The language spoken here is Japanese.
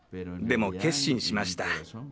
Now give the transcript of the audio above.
でも決心しました。